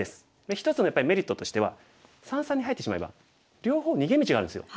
一つのやっぱりメリットとしては三々に入ってしまえば両方逃げ道があるんですよ。